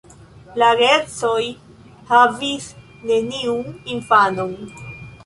La geedzoj havis neniun infanon.